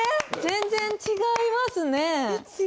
全然違いますね。